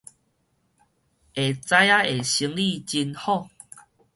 下早仔的生理真好